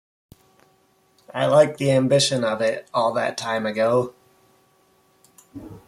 I like the ambition of it, all that time ago.